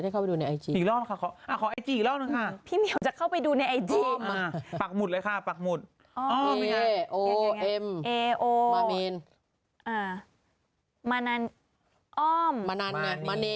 กูดูเลยค่ะปักหมุน